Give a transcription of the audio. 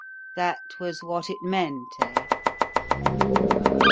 That was what it meant, eh?